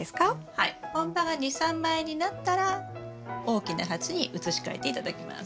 本葉が２３枚になったら大きな鉢に移し替えて頂きます。